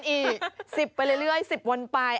อีก๑๐ไปเรื่อย๑๐วันไป